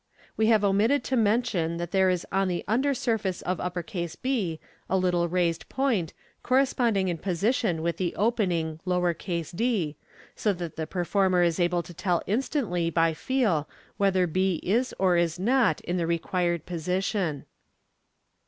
We have omitted to mention that there is on the under surface of B a little raised point, corresponding in posi tion with the opening d, so that the performer is able to tell instantly by feel whether B is or is not in the required position.